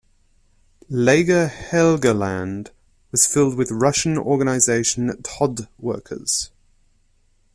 "Lager Helgoland" was filled with Russian Organisation Todt workers.